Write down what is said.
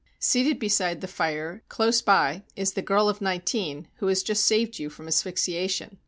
Seated beside the fire close by is the girl of nineteen who has just saved you from asphyxiation.